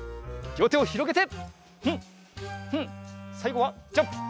りょうてをひろげて。